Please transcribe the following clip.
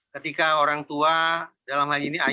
ketika orang tua dalam hal ini ayah